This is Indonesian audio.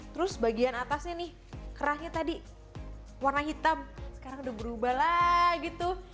terus bagian atasnya nih kerahnya tadi warna hitam sekarang udah berubah lah gitu